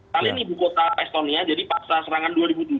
talim ibu kota estonia jadi paksa serangan dua ribu tujuh